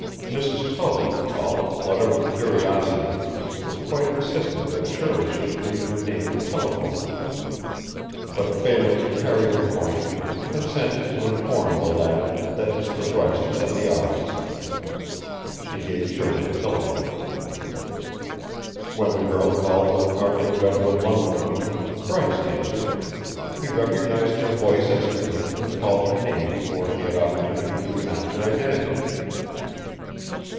Mrs. Tully, all aflutter with curiosity, was quite insistent that Shirley should leave her name and telephone number, but failing to carry her point, consented to inform the latter that Mr. Bryce was at the office. She gave Shirley the telephone number. When the girl called the Cardigan Redwood Lumber Company, Bryce answered. He recognized her voice instantly and called her name before she had opportunity to announce her identity.